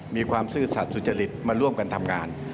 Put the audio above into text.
ซื่อสัตว์สุจริตมาร่วมกันทำงาน